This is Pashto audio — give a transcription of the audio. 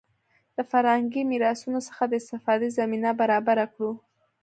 د فرهنګي میراثونو څخه د استفادې زمینه برابره کړو.